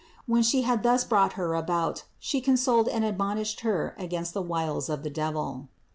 When She had thus brought her about, She consoled and admonished her against the wiles of the devil.